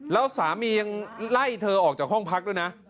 แล้วสามียังไล่เธอออกจากห้องพักด้วยนะ